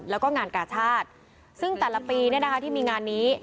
แล้วก็งานกาชาติซึ่งแต่ละปีที่มีงานนี้